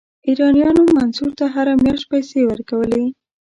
ایرانیانو منصور ته هره میاشت پیسې ورکولې.